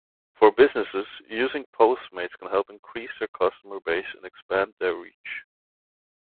For businesses, using Postmates can help increase their customer base and expand their reach.